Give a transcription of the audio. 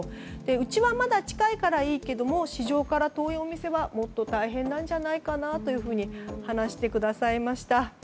うちはまだ近いからいいけど市場から遠いお店はもっと大変なんじゃないかなというふうに話してくださいました。